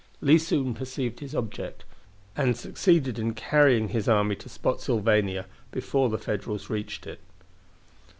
Lee soon perceived his object, and succeeded in carrying his army to Spotsylvania before the Federals reached it.